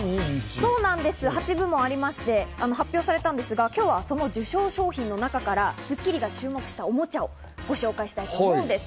８部門ありまして発表されたんですが今日はその受賞商品の中から『スッキリ』が注目したおもちゃをご紹介したいと思うんです。